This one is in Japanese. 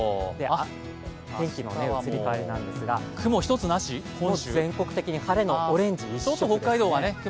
天気の移り変わりなんですが、全国的に晴れのオレンジです。